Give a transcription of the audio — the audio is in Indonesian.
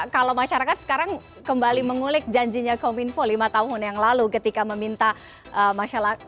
kalau masyarakat sekarang kembali mengulik janjinya kominfo lima tahun yang lalu ketika meminta masyarakat untuk melakukan terima kasih